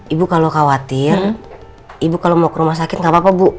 ibu kalau khawatir ibu kalau mau ke rumah sakit nggak apa apa bu